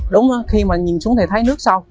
đúng khi mà nhìn xuống thì thấy nước sau